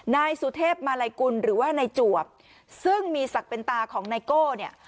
นายสุเทพมาลัยกุลหรือว่านายจวบซึ่งมีศักดิ์เป็นตาของไนโก้เนี่ย